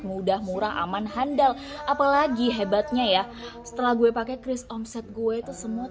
mudah murah aman handal apalagi hebatnya ya setelah gue pakai cris omset gue itu semua